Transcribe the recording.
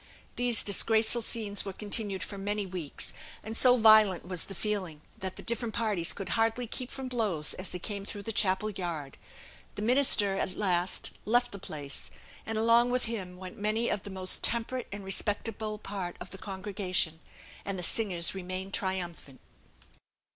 These disgraceful scenes were continued for many weeks, and so violent was the feeling, that the different parties could hardly keep from blows as they came through the chapel yard. The minister, at last, left the place, and along with him went many of the most temperate and respectable part of the congregation, and the singers remained triumphant.